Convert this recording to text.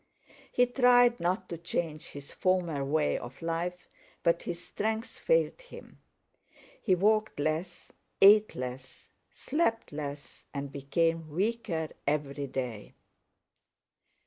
He tried not to change his former way of life, but his strength failed him. He walked less, ate less, slept less, and became weaker every day.